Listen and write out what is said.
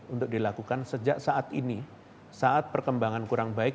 untuk dilakukan sejak saat ini saat perkembangan kurang baik